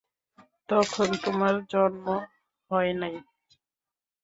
তখন তোমার জন্ম হয় নাই।